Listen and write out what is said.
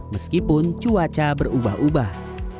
meskipun cuaca berubah ubah